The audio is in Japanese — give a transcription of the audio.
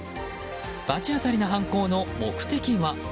罰当たりな犯行の目的は？